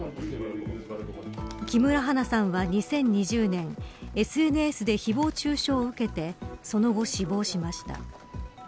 木村花さんは２０２０年ＳＮＳで誹謗中傷を受けてその後、死亡しました。